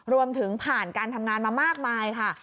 รวมถึงผ่านการทำงานมามากมายค่ะ